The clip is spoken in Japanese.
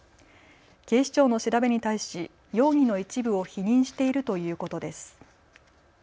警視庁の調べに対し容疑の一部を否認しているということです。